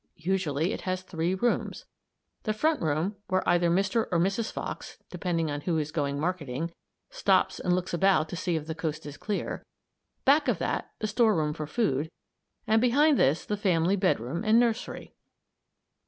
Usually it has three rooms; the front room where either Mr. or Mrs. Fox depending on which is going marketing stops and looks about to see if the coast is clear; back of that the storeroom for food, and behind this the family bedroom and nursery.